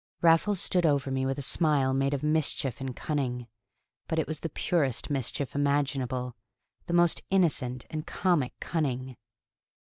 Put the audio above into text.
Raffles stood over me with a smile made of mischief and cunning; but it was the purest mischief imaginable, the most innocent and comic cunning.